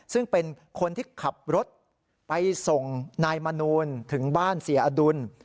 ซึ่งเป็นคนที่ขับรถไปส่งนายมนูลถึงบ้านเสียอดุล